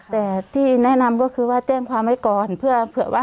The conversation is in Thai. แต่ที่แนะนำก็คือว่าแจ้งความไว้ก่อนเผื่อว่า